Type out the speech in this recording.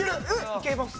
いけます。